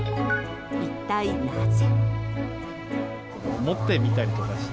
一体なぜ？